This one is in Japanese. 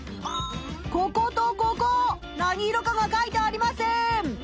こことここ何色かが書いてありません！